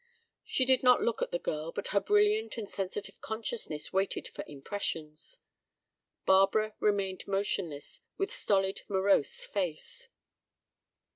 She did not look at the girl, but her brilliant and sensitive consciousness waited for impressions. Barbara remained motionless, with stolid, morose face.